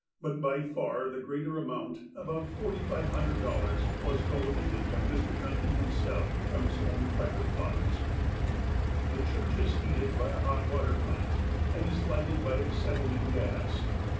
But by far the greater amount, about $4,500, was donated by Mr. Duncan himself from his own private funds. The church is heated by a hot water plant, and is lighted by acetylene gas.